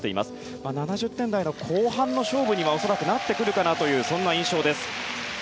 ７０点台後半の勝負に恐らくなってくるかなというそんな印象です。